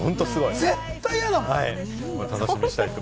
絶対やだもん。